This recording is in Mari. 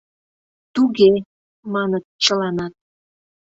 — Туге! — маныт чыланат.